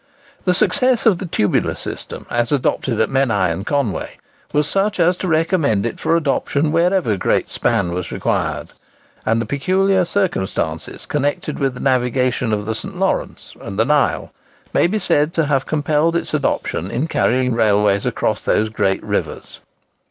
The success of the tubular system, as adopted at Menai and Conway, was such as to recommend it for adoption wherever great span was required; and the peculiar circumstances connected with the navigation of the St. Lawrence and the Nile, may be said to have compelled its adoption in carrying railways across those great rivers.